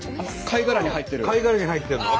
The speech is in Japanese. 貝殻に入ってるの。